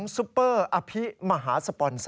ซุปเปอร์อภิมหาสปอนซ์